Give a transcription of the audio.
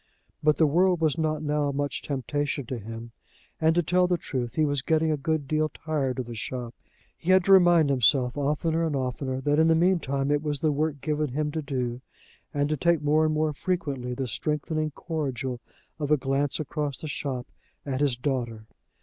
But the world was not now much temptation to him, and, to tell the truth, he was getting a good deal tired of the shop. He had to remind himself, oftener and oftener, that in the mean time it was the work given him to do, and to take more and more frequently the strengthening cordial of a glance across the shop at his daughter.